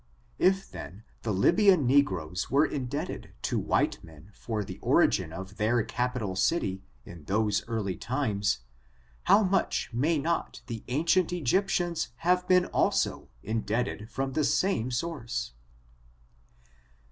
If, then, the Lybiaii negroes were indebted to white men for the origin of their capital city in those early times, how much may not the ancient Egyptians have been also indebt ed from the same source?